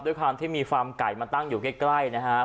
ด้วยความที่มีความไก่มาตั้งอยู่ใกล้ใกล้นะคะ